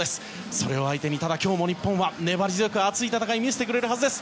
それを相手に、ただ今日も日本は粘り強く熱い戦いを見せてくれるはずです。